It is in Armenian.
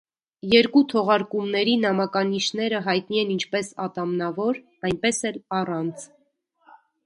Երկու թողարկումների նամականիշները հայտնի են ինչպես ատամնավոր, այնպես էլ առանց։